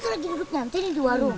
nih nanti duduk nanti nih di warung